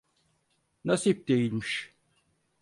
Nasip değilmiş.